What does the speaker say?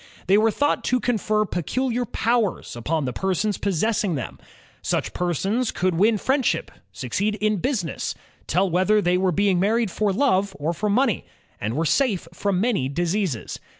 They were thought to confer peculiar powers upon the persons possessing them. Such persons could win friendship, succeed in business, tell whether they were being married for love or for money, and were safe from many diseases.